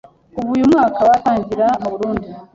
Kuva uyu mwaka watangira mu Burundi